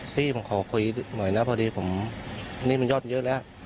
พี่ผมขอคุยหน่อยนะพอดีผมนี่มันยอดเยอะแล้ว